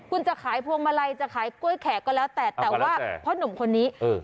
คุณจะขายพวงมาลัยจะขายกล้วยแขกก็แล้วแต่แต่ว่าพ่อหนุ่มคนนี้เออ